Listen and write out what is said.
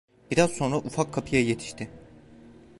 Biraz sonra ufak kapıya yetişti.